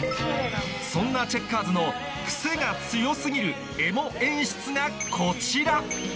そんなチェッカーズのクセが強過ぎるエモ演出がこちら